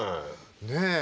ねえ。